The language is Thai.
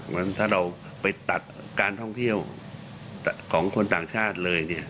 เพราะฉะนั้นถ้าเราไปตัดการท่องเที่ยวของคนต่างชาติเลยเนี่ย